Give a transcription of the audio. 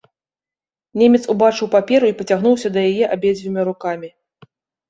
Немец убачыў паперу і пацягнуўся да яе абедзвюма рукамі.